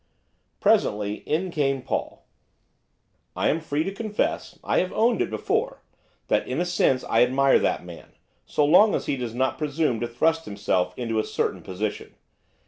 Presently in came Paul. I am free to confess, I have owned it before! that, in a sense, I admire that man, so long as he does not presume to thrust himself into a certain position.